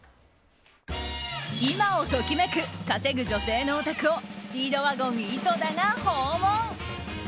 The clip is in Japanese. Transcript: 今を時めく稼ぐ女性のお宅をスピードワゴン井戸田が訪問。